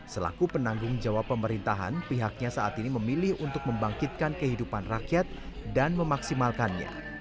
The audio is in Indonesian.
selaku penanggung jawab pemerintahan pihaknya saat ini memilih untuk membangkitkan kehidupan rakyat dan memaksimalkannya